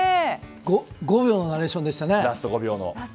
５秒のナレーションでしたね。